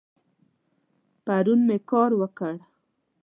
پرون می کار وکړ